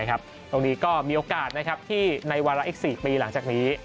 ตรงนี้ก็มีโอกาสที่ในวาระอีก๔ปีหลังจากนี้